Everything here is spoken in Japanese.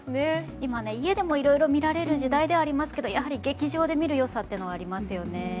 今、家でもいろいろ見られる時代ですけどやはり劇場で見る良さはありますよね。